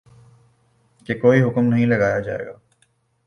کہ کوئی حکم نہیں لگایا جائے گا